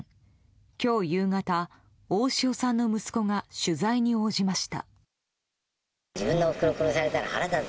今日夕方、大塩さんの息子が取材に応じました。